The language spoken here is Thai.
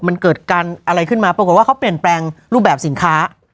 มันเกิดการอะไรขึ้นมาปรากฏว่าเขาเปลี่ยนแปลงรูปแบบสินค้า